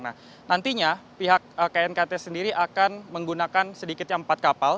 nah nantinya pihak knkt sendiri akan menggunakan sedikitnya empat kapal